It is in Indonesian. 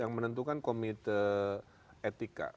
yang menentukan komite etika